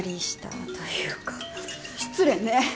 失礼ね。